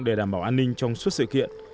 để đảm bảo an ninh trong suốt sự kiện